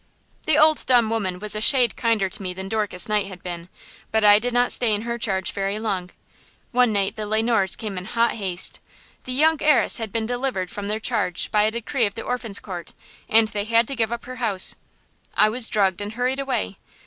"The old dumb woman was a shade kinder to me than Dorcas Knight had been, but I did not stay in her charge very long. One night the Le Noirs came in hot haste. The young heiress had been delivered from their charge by a decree of the Orphan's Court, and they had to give up her house. I was drugged and hurried away.